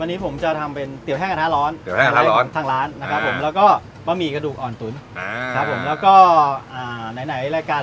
วันนี้ผมจะทำเป็นเตี๋ยวแห้งกระทะร้อนทางร้านแล้วก็ปะหมี่กระดูกอ่อนตุ๋นแล้วก็ไหนแล้วกัน